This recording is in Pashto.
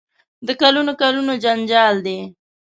د کلونو کلونو جنجال دی.